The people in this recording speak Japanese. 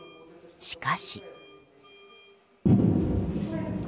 しかし。